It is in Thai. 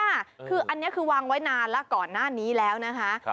คืออันนี้คือวางไว้นานแล้วก่อนหน้านี้แล้วนะคะ